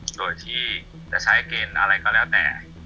โดยที่จะใช้เกณฑ์อะไรก็แล้วแต่